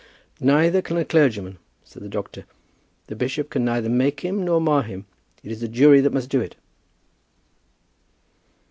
"Neither can a clergyman," said the doctor. "The bishop can neither make him nor mar him. It is the jury that must do it."